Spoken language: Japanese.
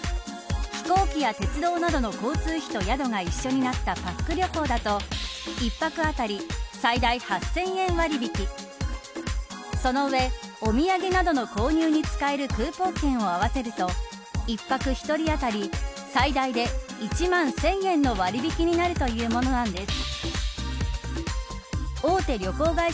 飛行機や鉄道などの交通費と宿が一緒になったパックだと１泊あたり８０００割引その上、おみやげなどの購入割引に使えるクーポン券を合わせると１泊１人当たり最大で１万１０００円の割引になるというものなんです。